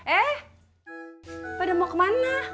eh pada mau kemana